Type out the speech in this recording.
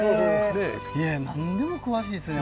いや何でも詳しいっすね！